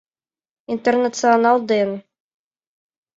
Интернационал ден